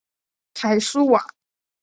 凯苏瓦。